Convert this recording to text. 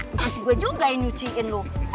dikasih gue juga yang nyuciin lu